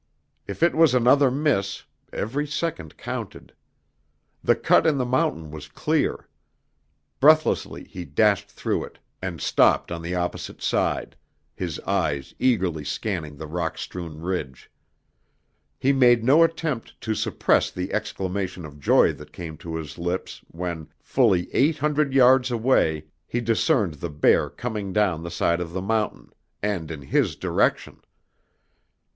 If it was another miss every second counted. The cut in the mountain was clear. Breathlessly he dashed through it and stopped on the opposite side, his eyes eagerly scanning the rock strewn ridge. He made no attempt to suppress the exclamation of joy that came to his lips when, fully eight hundred yards away, he discerned the bear coming down the side of the mountain, and in his direction.